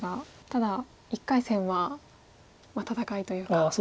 ただ１回戦は戦いというか。